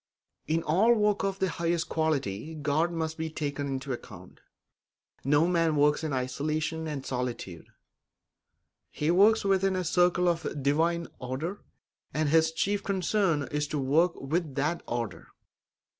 In all work of the highest quality God must be taken into account. No man works in isolation and solitude; he works within the circle of a divine order, and his chief concern is to work with that order.